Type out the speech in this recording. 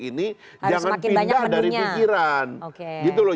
jangan pindah dari pikiran